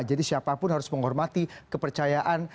jadi siapapun harus menghormati kepercayaan